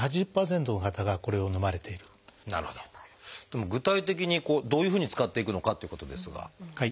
でも具体的にどういうふうに使っていくのかっていうことですが。